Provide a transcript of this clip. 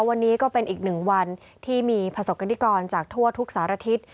วันนี้ก็เป็นอีก๑วันที่มีผสกกันดิกรจากทั่วทุกศาละทิศ